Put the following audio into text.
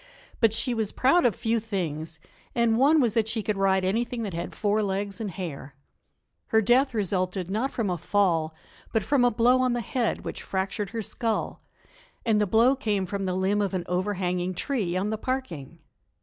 But she was proud of few things, and one was that she could ride anything that had four legs and hair. Her death resulted not from a fall, but from a blow on the head which fractured her skull, and the blow came from the limb of an overhanging tree on the parking.